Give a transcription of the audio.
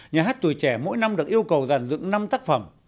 nhà hát tuổi trẻ mỗi năm được yêu cầu giàn dựng năm tác phẩm